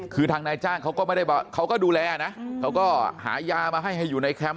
คือทางนายจ้างเขาก็ไม่ได้เขาก็ดูแลนะเขาก็หายามาให้ให้อยู่ในแคมป